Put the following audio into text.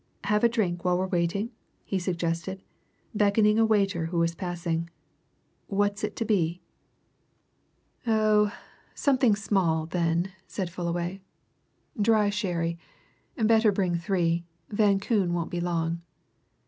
"Have a drink while we're waiting?" he suggested, beckoning a waiter who was passing. "What's it to be?" "Oh something small, then," said Fullaway. "Dry sherry. Better bring three Van Koon won't be long."